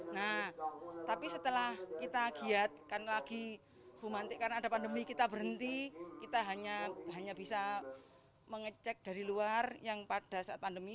nah tapi setelah kita giatkan lagi bumantik karena ada pandemi kita berhenti kita hanya bisa mengecek dari luar yang pada saat pandemi